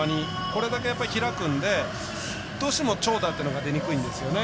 これだけ開くのでどうしても長打というのが出にくいんですね。